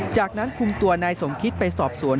จากนั้นคุมตัวนายสมคิตไปสอบสวน